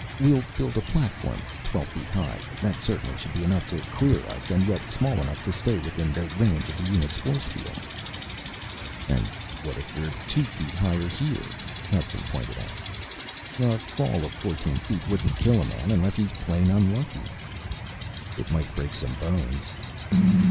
"We'll build a platform twelve feet high. That certainly should be enough to clear us and yet small enough to stay within the range of the unit's force field." "And what if we're two feet higher here?" Hudson pointed out. "A fall of fourteen feet wouldn't kill a man unless he's plain unlucky." "It might break some bones."